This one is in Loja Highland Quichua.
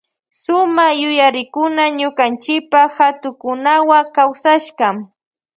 Suma yuyarikuna ñukanchipa hatukukunawa kawsashka.